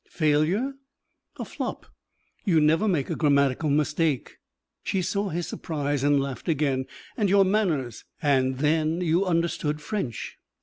"Failure?" "A flop. You never make a grammatical mistake." She saw his surprise and laughed again. "And your manners and, then, you understood French.